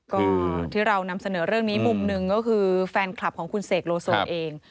ก็ที่เรานำเสนอเรื่องนี้มุมหนึ่งก็คือแฟนคลับของคุณเสกโลโซเอง